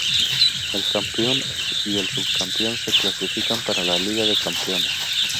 El campeón y el subcampeón se clasifican para la Liga de Campeones.